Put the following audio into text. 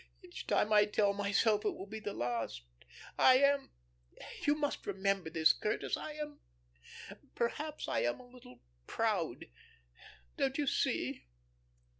Each time I tell myself it will be the last. I am you must remember this, Curtis, I am perhaps I am a little proud. Don't you see?"